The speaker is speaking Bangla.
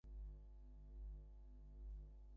দাঁড়াও, পিবি।